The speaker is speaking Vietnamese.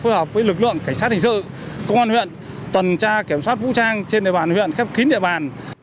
phối hợp với lực lượng cảnh sát hình sự công an huyện tuần tra kiểm soát vũ trang trên địa bàn huyện khép kín địa bàn